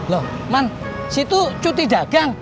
loh man situ cuti dagang